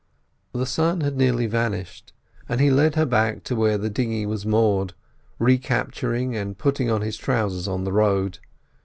The sun had nearly vanished, and he led her back to where the dinghy was moored recapturing and putting on his trousers on the road.